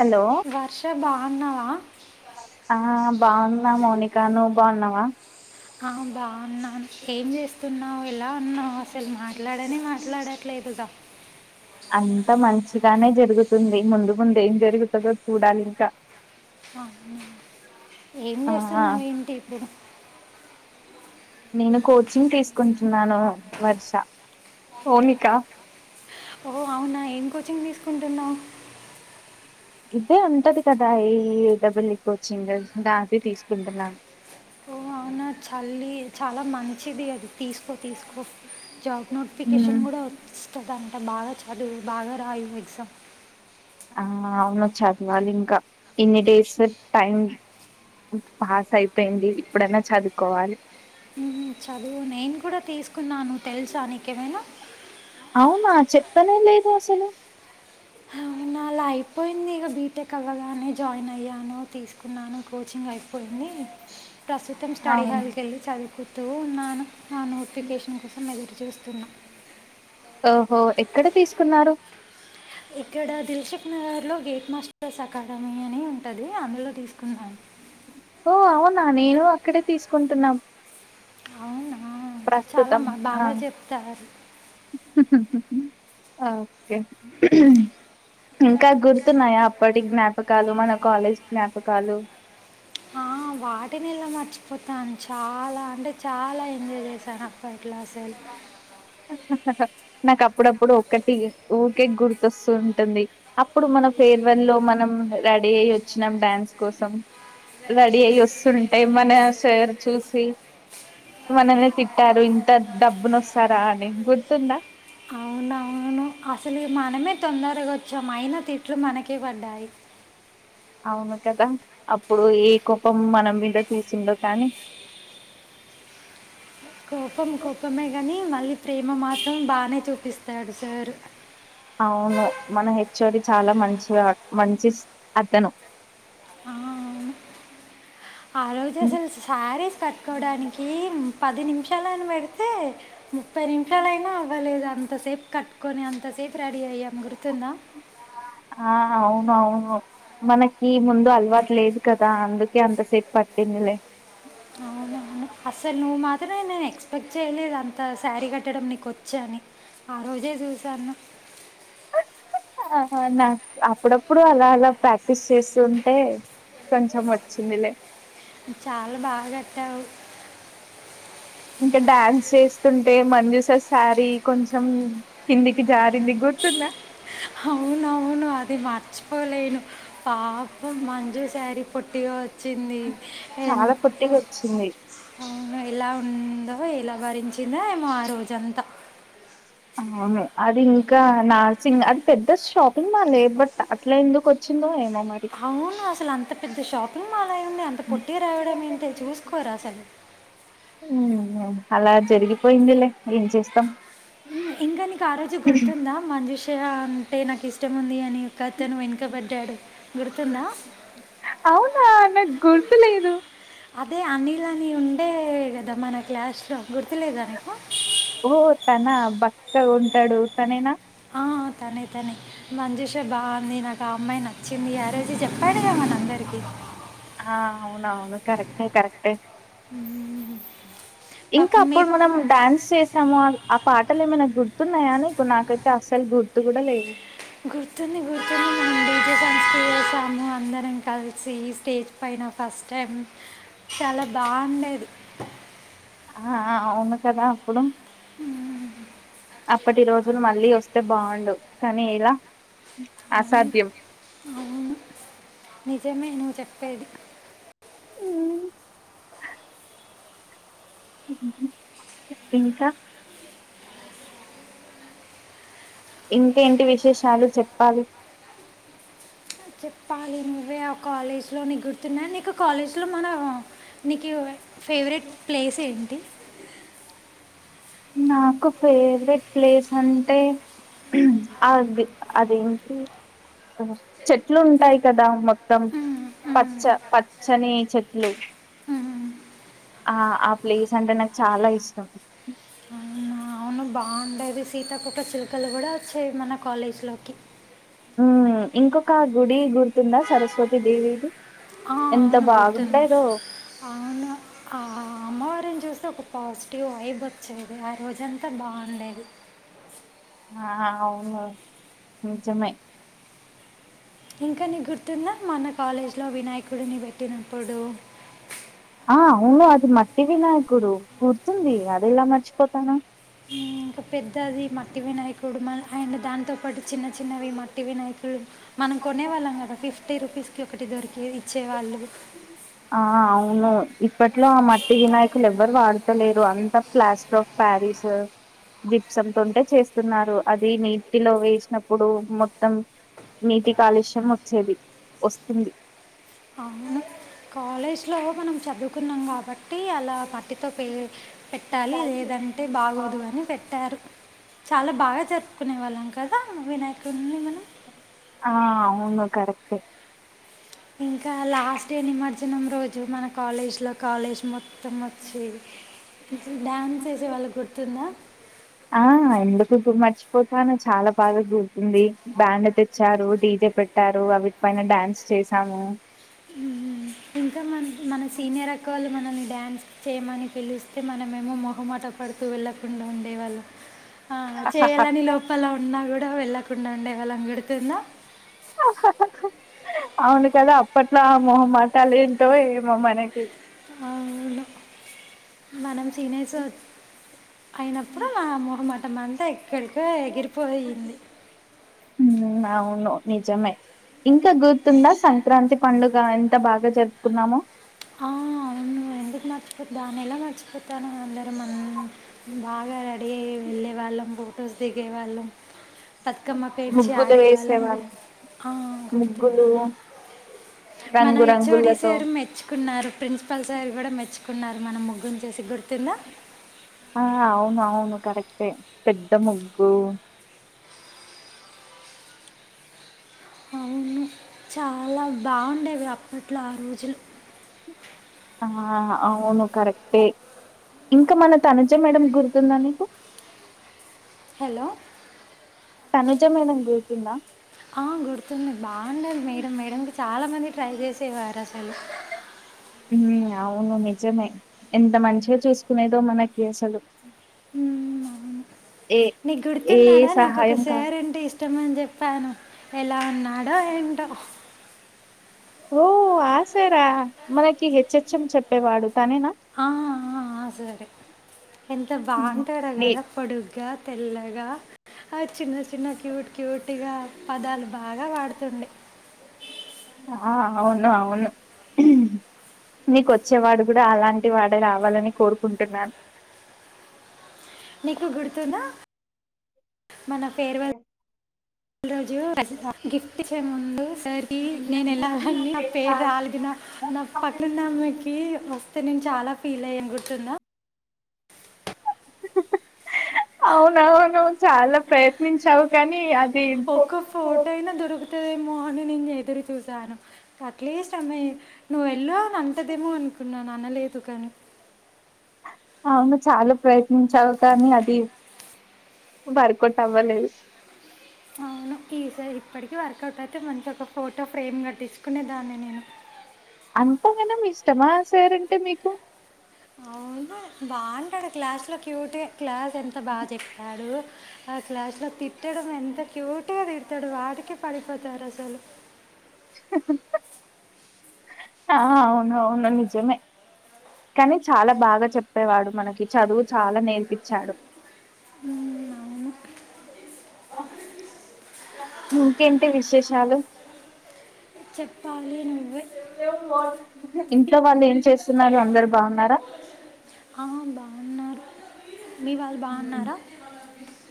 Hello Varsha బాగున్నావా ఆ బాగున్నా మౌనికా. నువ్ బాన్నవా? ఆ బాగున్నా. ఏం చేస్తున్నావ్? ఎలా ఉన్నావు? అసలు మాట్లాడనె మాట్లాడట్లేదుగా? అంతా మంచిగానే జరుగుతుంది. ముందు ముందు ఏం జరుగుతదో చూడాలి ఇంకా. అవున! ఏం ఆ చేస్తున్నావ్ ఏంటి ఇప్పుడు? నేను కోచింగ్ తీసుకుంటున్నాను వర్ష. మోనిక ఓ అవునా ఏం కోచింగ్ తీసుకుంటున్నావ్? ఇదే ఉంటది కదా! ఎ ఈ డబల్ఈ కోచింగ్ దానిపై తీసుకుంటున్నాను. ఓ అవునా! చల్లి చాల మంచిది అది తీసుకొ. తీసుకో జాబ్ ఉమ్ నోటిఫికేషన్ కూడ వస్తదంట బాగ చ అది బాగ రాయి ఎగ్జామ్. ఆ అవును చదవాలి ఇంకా. ఇన్ని డేస్ టైం పాస్ అయిపోయింది. ఇప్పుడైనా చదువుకోవాలి. మ్ చదువు. నేను కూడా తీసుకున్నాను తెలుసా నికేమైనా? అవునా! చెప్తనే లేదు అసలు. నా అలా అయిపోయింది ఇక బీటెక్ అవ్వగానే, జాయిన్ అయ్యాను. తీసుకున్నాను. కోచింగ్ అయిపోయింది. ప్రస్తుతం స్టడీ హాల్ అవును కెళ్ళి చదువుకుతూ ఉన్నాను. నా నోటిఫికేషన్ కోసం ఎదురుచూస్తున్నా. ఓహో ఎక్కడ తీసుకున్నారు? ఇక్కడ దిల్ షిక్ నగర్ లో గేట్ మాస్టర్స్ అకాడమీ అని ఉంటది అందులో తీసుకున్నాను. ఓ అవునా! నేను అక్కడే తీసుకుంటున్నాం. అవునా చాలా ప్రస్తుతం మ- బాగా ఆ చెప్తారు ఓకె ఇంకా గుర్తున్నాయా? అప్పటి జ్ఞాపకాలు, మన కాలేజ్ జ్ఞాపకాలు? ఆ వాటినెలా మర్చిపోతామ్! చాల అంటే చాల ఎంజాయ్ చేసాన్ అపట్ల అసల్. నాకు అప్పుడప్పుడు ఒక్కటి ఊకే గుర్తొస్తుూ ఉంటుంది. అప్పుడు మన ఫేర్వల్ లో మనం రెడీ అయి వచ్చినాం డ్యాన్స్ కోసం రడీ అయి వస్తుంటె, మన సార్ చూసి, మనల్ని తిట్టారు. ఇంత డబ్బున వస్తారా అని గుర్తుందా! అవునవును అసలు మనమే తొందరగ వచ్చామ్. అయినా, తిట్లు మనకే పడ్డాయి. అవును కదా! అప్పుడు, ఏ కోపం మన మీద తీసిండో కానీ, కోపం కోపమే గానీ, మళ్ళీ ప్రేమ మాత్రం బానే చూపిస్తాడు సార్. అవ్. మన హెచ్ఓడి చాలా మంచివా, మంచి అతను. ఆ అవును. ఆ రోజు అసలు శారీస్ కట్టుకోవడానికి, పది నిమిషాలని పెడిత్ తే ముప్పై నిమిషాలయినా అవ్వలేదు. అంతసేపు, కట్టుకొని అంతసేపు రెడీ అయ్యాము గుర్తుందా! ఆ అవునవును. మనకి ముందె అలవాటు లేదు కదా! అందుకే అంతసేపు పట్టిందిలే. అవు అసలు నువ్వు మాత్రమే, నేను ఎక్స్పెక్ట్ చేయలేదు అంత శారీ కట్టడం నీకొచ్చని. ఆ రోజే చూసాను. నాకు అప్పుడప్పుడు, అలా అలా ప్రాక్టీస్ చేస్తు ఉంటే, కొంచం వచ్చిందిలే. చాల బా కట్టావు. ఇంకా డ్యాన్స్ చేస్తుంటే, మంజూస సారి కొంచెం కిందికి జారింది గు గుర్తుందా అవును ఆవును అది మర్చిపోలేను పాప మంజు శారీ పొట్టిగా వచ్చింది ఎ చాలా పొట్టిగా వచ్చింది అవును ఎలా ఉందో ఎలా భరించిందో ఏమో ఆ రోజంతా అవును అది ఇంకా నార్సింగ్ అది పెద్ద షాపింగ్ మాల్ బట్ అట్లా ఎందుకు వచ్చి వచ్చిందో ఏమో మరి అవును అసలు అంత పెద్ద షాపింగ్ మాల్ రాంది అంత పుట్టి రావడం ఏంటి చూసుకోరా అసలు అలా జరిగిపోయిందిలే ఏం చేస్తాం ఇంకా నీకు ఆ రోజు గుర్తుందా మజుషా అంటే నాకు ఇష్టం ఉంది అని యొక్క అతను వెనుకబడ్డాడు గుర్తుందా అవునా నాకు గుర్తు లేదు అదే అనిల్ అని ఉండే కదా మన క్లాసులో గుర్తులేదానికు ఓహో తన బక్క ఉంటాడు తనేనా ఆ! తనే తనే మంజూష బాగుంది నాకు ఆ అమ్మాయి నాకు వచ్చింది ఆ రోజు చెప్పాడుగా మన అందరికీ ఆ అవును అవును కరెక్ట్ కరెక్టే ఉ హు ఇంకా అప్పుడు మనం డాన్స్ చేసాము పాటలు ఏమైనా గుర్తున్నాయా నీకు నాకైతే అస్సలు గుర్తు కూడా లేవు గుర్తుఉంది గుర్తు ఉంది సంస్కృతి చేశాము అందరం కలిసి స్టేజ్ పైన ఫస్ట్ టైం చాలా బాగుండేది ఆ అవును కదా అప్పుడు ఉ అప్పటి రోజులు మళ్ళీ వస్తే బాగుండు కానీ ఇలా అవును. అసాధ్యం నిజమే నువ్వు చెప్పేది హ్మ్. ఇంకా ఇంకేంటి విశేషాలు చెప్పాలి చెప్పాలి నువ్వే ఆ కాలేజ్లో ని గుర్తున్నా నీకు కాలేజ్లో మన నీకు ఫేవరెట్ ప్లేస్ ఏంటి నాకు ఫేవరెట్ ప్లేస్ అంటే అది అదేంటి చెట్లు ఉంటాయి కదా మొత్తం హ్మ్. హ్మ్. పచ్చ పచ్చని చెట్లు హ్మ్. ఆ ఆ ప్లేస్ అంటే నాకు చాలా ఇష్టం ఆ బాగుండేది సీతాకోక చిలుకలు కూడా వచ్చాయి మన కాలేజీలోకి ఊ ఇంకొక గుడి గుర్తుందా సరస్వతీ దేవిది ఆ, ఎంత అవును గుర్తుంది బాగుండేదో చూసి ఒక పాజిటివ్ వైబ్ వచ్చింది ఆ రోజంతా బాగుండేది ఆ అవును నిజమే ఇంకా నీకు గుర్తుంద మన కాలేజీలో వినాయకుడిని పెట్టినప్పుడు ఆ అవును అది మట్టి వినాయకుడు గుర్తుంది అది ఎలా మర్చిపోతాను ఇంకా పెద్దది మట్టి వినాయకుడు మన్ అండ్ దాంతో పాటు చిన్న చిన్నవి మట్టి వినాయకుడు మనం కొనే వాళ్ళం కదా ఫిఫ్టీ రుపీస్కి ఒకటి దొరికేవి ఇచ్చేవాళ్ళు ఆ అవును ఇప్పట్లో ఆ మట్టి వినాయకులు ఎవ్వరు వాడతలేరు అంత ప్లాస్టర్ ఆఫ్ ప్యాక్ ఈ సర్ దీప్సంతంటే చేస్తున్నారు అది నీటిలో వేసినప్పుడు మొత్తం నీటి కాలుష్యం వచ్చేది వస్తుంది అవును కాలేజ్ లో మనం చదు అనుకున్నాం కాబట్టి అలా మట్టితో పెట్టాలి లేదంటే బాగోదు అని పెట్టారు. అ చాలా బాగా జరుపుకునే వాళ్ళం కదా వినాయకున్ని మనం కరెక్ట్ ఏ ఇంకా లాస్ట్ నిమజ్జనం రోజు మన కాలేజ్ లో కాలేజ్ మొత్తం వచ్చేది ఇ డ్యాన్స్ చేసే వాళ్ళకి గుర్తుందా ఆ ఎందుకు మర్చిపోతాను చాలా బాగా గుర్తుంది. బ్యాండ్ తెచ్చారు. డిజే పెట్టారు అవి డ్యాన్స్ చేసాము ఇంకా మన మన సీనియర్ అక్కోళ్ళు మనల్ని డ్యాన్స్ చేయమని పిలుస్ అయితే మనమేమో మొహమాట పడుతూ వెళ్ళకుండా ఉండేవాళ్ళు ఆ చేయాలని లోపల ఉన్నా కూడా వెళ్ళకుండా ఉండే వాళ్ళ గుడుతుందా హ అవును కదా అప్పట్లో మొహ మాటలు ఏంటో ఏమో మనకి అవును మనం సినస్ అయినప్పుడు మా మొహమాటం అంతా ఎక్కడికో ఎగిరిపోయింది. [unintelligible] ఉమ్ అవును నిజమే ఇంకా గుర్తుందా సంక్రాంతి పండుగ ఎంత బాగా జరుపుకున్నామో ఆ అవును ఎందుకు నచ్చిపోతని ఎలా మచ్చిపోతాను అ మన్ బాగా రెడీ అయి వెళ్ళేవాళ్ళం ఫొటోస్ దిగేవాళ్ళం. బతుకమ్మ పేర్చి ముగ్గులు ఆడేవాళ్ళం గుర్ వేసేవాళ్ళు ఆ గుర్తుంది. ముగ్గులు మన రంగు హెచ్ ఒడిసే రంగులతో మెచ్ కున్నారు ప్రిన్సిపల్ సార్ కూడా మెచ్చుకున్నారు. మనం ముగ్గుని చూసి గుర్తుంద ఆ అవును అవును కరెక్టే పెద్ద ముగ్గు [unintelligible] అవును చాలా బాగుండేవి అప్పట్లో ఆ రోజులు ఆ అవును కరెక్టే ఇంకా మన తనుజ మేడం గుర్తుందా నీకు హలో తనుజ మేడం గుర్తుంద బాగుండది మేడం మేడంకి చాలా మంది ట్రై చేసేవారు అసలు ఉమ్ అవును నిజమే ఎంత మంచిగా చూసుకునేదో మనకి అసలు ఉమ్ అవును ఏ నీ ఏ గుర్తున్నాడా నాకు ఒక సహాయం కా సార అంటే ఇష్ ఇష్టమని చెప్పాను ఎలా ఉన్నాడో ఏంటో ఓ ఆశార మనకి హెచ్చెచ్ం చెప్పేవాడు తనేనా ఆ ఆ సారే ఎంత ఉమ్. బాగుంటాడా నీ కదా పొడుగు తెల్లగా ఆ చిన్న చిన్న క్యూట్ క్యూట్గా పదాలు బాగా వాడుతుంది ఆ అవును అవును నీకొచ్చేవాడు కూడా అలాంటి వాడే రావాలని కోరుకుంటున్నాను. నీకు గుర్తుంద మన ఫేర్వల్ రోజు గిఫ్ట్ చే ముందు సరికి నేను ఎలాని నా పేరు ఆలగిన నా పక్కనున్నమ్మకి వస్తే నేను చాలా ఫీల్ అయ్యాను గుర్తున్నా అవునవును చాలా ప్రయత్నించావు కానీ అది ఒక్క ఫోటో అయినా దొరుకుతదేమో అని నేను ఎదురు చూసాను. అట్లీస్ట్ అమ్మాయి నువ్వు వెళ్ళ అని అంటదేమో అనుకున్నాను అనలేదు కానీ అవును చాలా ప్రయత్నించావు కానీ అది వర్క్ అవుట్ అవ్వలేదు అవును ఈసారి ఇప్పటికీ వర్కౌట్ అయితే మంచి ఒక ఫోటో ఫ్రేమ్ కట్టించుకునేదాన్ని నేను టమాసయారంటే మీకు అవునా బాగుంటాడు క్లాస్ లో క్యూటే క్లాస్ ఎంత బాగా చెప్తాడు ఆ క్లాస్ తిట్టడం ఎంత క్యూట్ గా తిడతాడు వాటికే పడిపోతారు అసలు ఆ అవును అవును నిజమే కానీ చాలా బాగా చెప్పేవాడు మనకి చదువు చాలా నేర్పచ్చాడు హు అవును ఇంకేంటి విశేషాలు చెప్పాలి నువ్వే ఇంట్లో వాళ్ళు ఏం చేస్త స్తున్నారు అందరు బాగున్నారా ఆ బాగున్నారు మీ వాళ్ళు బాగున్నారా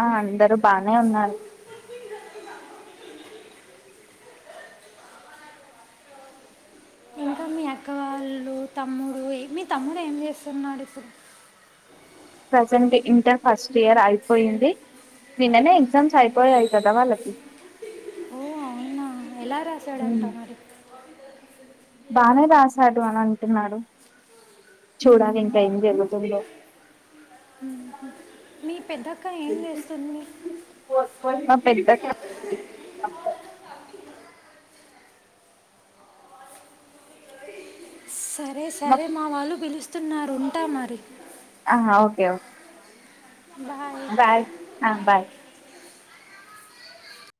ఆ అందరూ బాగనే ఉన్నారు ఇంకా మీ అక్కవాళ్ళు తమ్ముడు మీ తమ్ముడు ఏం చేస్తున్నాడు అసలు ప్రజెంట్ ఇంటర్ ఫస్ట్ ఇయర్ అయిపోయింది నిన్ననే ఎగ్జామ్స్ అయిపోయాయి కదా వాళ్ళకి ఓ అవునా ఎలా రాశాడంటా మరి బానే రాసాడు అని అంటున్నాడు మా చూడాలి అమ్మ, ఇంకా ఏం "ఉమ్, జరుగుతుందో మీ పెద్దక్క ఏం చేస్తుంది [unintelligible] [unintelligible] సరే సరే మా వాళ్ళు పిలుస్తున్నారు ఉంటా మరి ఆ ఓకే ఓకే బాయ్ ఆ బాయ్